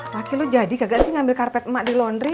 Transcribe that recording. pak ini lo jadi gak sih ngambil karpet emak di laundry